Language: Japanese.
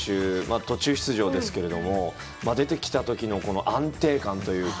途中出場ですけど出てきた時の安定感というか。